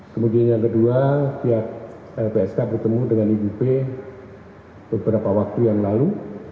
kemudian yang kedua pihak lpsk bertemu dengan ibu p beberapa waktu yang lalu